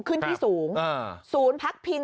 ขึ้นที่สูงศูนย์พักพิง